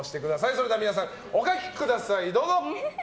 それでは皆さん、お書きください。